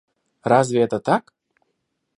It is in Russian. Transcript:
Разве это так?